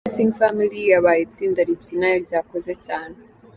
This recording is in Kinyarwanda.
The Blessing Family yabaye itsinda ribyina ryakoze cyane.